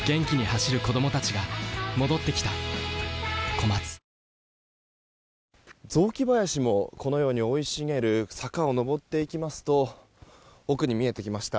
サントリー「ロコモア」雑木林もこのように生い茂る坂を上っていきますと奥に見えてきました。